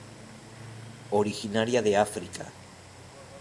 Originaria de África.